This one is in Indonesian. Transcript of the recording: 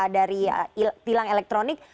dari tilang elektronik